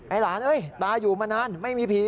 ไอ้หลานตาอยู่มานานไม่มีผี